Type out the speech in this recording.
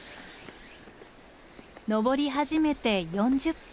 上り始めて４０分。